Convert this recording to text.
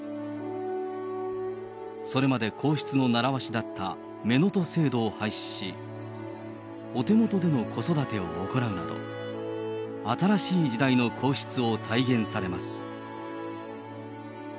それまで皇室の習わしだっためのと制度を廃止し、お手元での子育てを行うなど、新しい時代の皇室を体現されます。